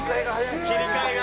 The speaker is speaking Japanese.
切り替えが。